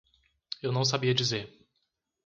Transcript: Eu não sabia dizer.